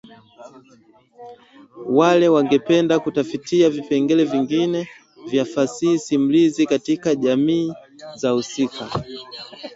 wale wangependa kutafitia vipengele vingine vya fasihi simulizi katika jamii za husika